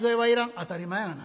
「当たり前やがな。